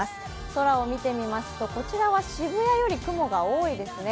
空を見てみますとこちらは渋谷より雲が多いですね。